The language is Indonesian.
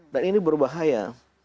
dan ini berbahaya